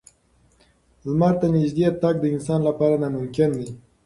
لمر ته نږدې تګ د انسان لپاره ناممکن دی.